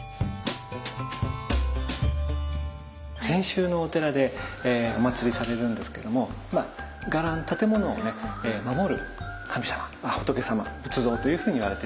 禅宗のお寺でおまつりされるんですけども伽藍建物をね守る神様仏様仏像というふうにいわれてるんですね。